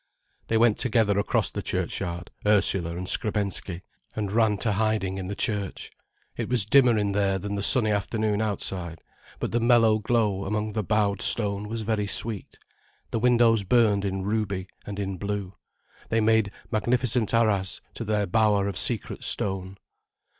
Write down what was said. They went together across the churchyard, Ursula and Skrebensky, and ran to hiding in the church. It was dimmer in there than the sunny afternoon outside, but the mellow glow among the bowed stone was very sweet. The windows burned in ruby and in blue, they made magnificent arras to their bower of secret stone.